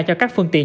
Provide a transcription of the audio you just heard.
cho các phương tiện